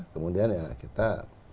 kemudian ya kita